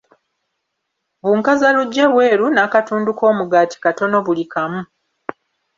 Bunkazaluggya bweru n'akatundu k'omugaati katono buli kamu.